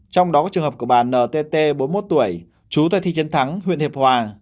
trong đó có trường hợp của bà ntt bốn mươi một tuổi chú tây thi trấn thắng huyện hiệp hòa